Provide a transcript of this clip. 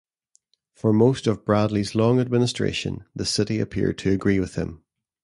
For most of Bradley's long administration, the city appeared to agree with him.